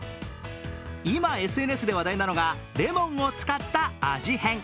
今、ＳＮＳで話題なのがレモンを使った味変。